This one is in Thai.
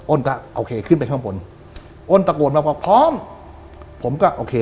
ก็โอเคขึ้นไปข้างบนอ้นตะโกนมาบอกพร้อมผมก็โอเค